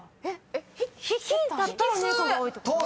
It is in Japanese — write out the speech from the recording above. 匹だったら猫が多いってこと？